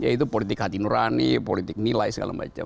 yaitu politik hati nurani politik nilai segala macam